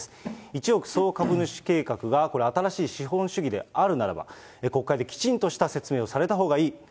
一億総株主計画が新しい資本主義であるならば、国会できちんとした説明をされたほうがいい。